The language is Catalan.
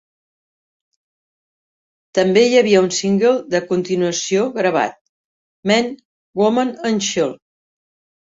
També hi havia un single de continuació gravat: "Man, Woman and Child".